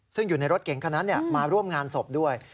ซึ่งอยู่ในรถเก๋งคันนั้นมาร่วมงานศพด้วย